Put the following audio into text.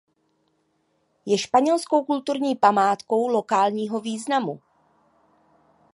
Je španělskou kulturní památkou lokálního významu.